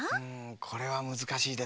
これはむずかしいですね。